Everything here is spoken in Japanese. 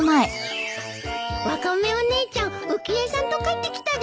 ワカメお姉ちゃん浮江さんと帰ってきたですよ。